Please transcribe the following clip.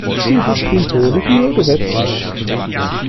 Sie hat ihn vor die Tür gesetzt.